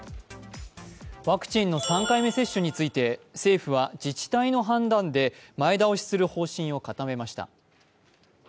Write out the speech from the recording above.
ワクチンの３回目接種について、政府は自治体の判断で前倒しする方針を固めました。